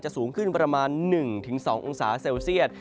สูงขึ้นประมาณ๑๒องศาเซลเซียต